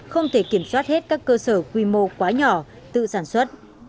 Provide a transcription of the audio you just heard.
không thể kiểm soát hết các cơ sở quy mô quá nhỏ tự sản xuất